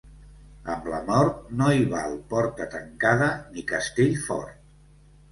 Amb la mort, no hi val porta tancada ni castell fort.